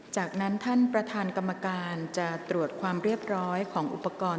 จากนั้นท่านประธานกรรมการจะตรวจความเรียบร้อยของอุปกรณ์